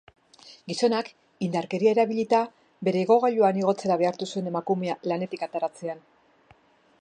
Gizonak indarkeria erabilita bere ibilgailuan igotzera behartu zuen emakumea lanetik ateratzean.